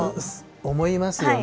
思いますよね。